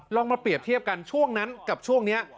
ลองมาเปรียบเทียบกันช่วงนั้นกับช่วงนี้